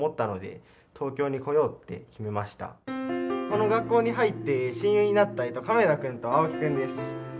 この学校に入って親友になった亀田くんと青木くんです。